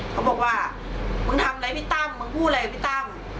เขาบอกว่ามึงทำอะไรพี่ตั้มมึงพูดอะไรกับพี่ตั้ม